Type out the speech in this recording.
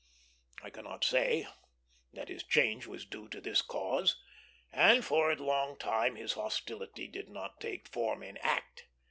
I cannot say that his change was due to this cause, and for a long time his hostility did not take form in act.